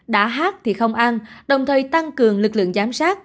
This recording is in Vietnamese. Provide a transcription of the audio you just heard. đã hát thì không ăn đồng thời tăng cường lực lượng giám sát